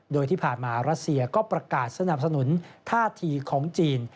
โดยที่ผ่านมารัสเซียก็ประกาศสนับสนุนท่าทีของจีน